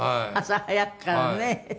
朝早くからね。